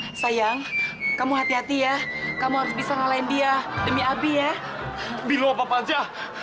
hai sayang kamu hati hati ya kamu harus bisa ngalahin dia demi abi ya bilo apa aja